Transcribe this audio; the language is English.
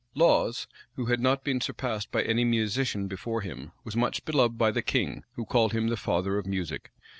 Laws, who had not been surpassed by any musician before him, was much beloved by the king, who called him the father of music.